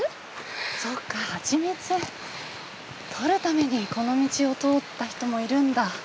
そっか蜂蜜を採るためにこの道を通った人もいるんだ。